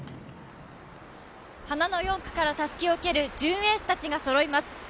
花の４区からたすきを受ける１０エースたちがそろいます